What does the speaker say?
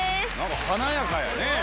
華やかやね。